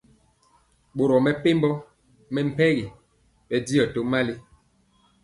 Boro mepempɔ mɛmpegi bɛndiɔ tomali.